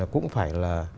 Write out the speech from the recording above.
cũng phải là